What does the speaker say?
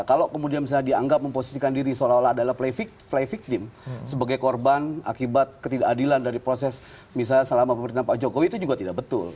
kalau kemudian misalnya dianggap memposisikan diri seolah olah adalah play victim sebagai korban akibat ketidakadilan dari proses misalnya selama pemerintahan pak jokowi itu juga tidak betul